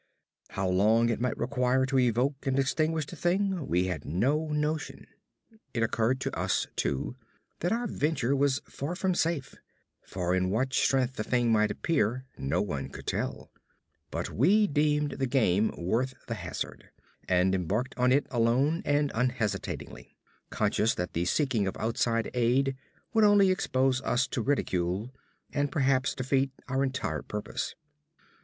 How long it might require to evoke and extinguish the thing, we had no notion. It occurred to us, too, that our venture was far from safe; for in what strength the thing might appear no one could tell. But we deemed the game worth the hazard, and embarked on it alone and unhesitatingly; conscious that the seeking of outside aid would only expose us to ridicule and perhaps defeat our entire purpose.